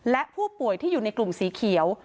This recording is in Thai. และผู้ป่วยที่อยู่ในกลุ่มสีเขียว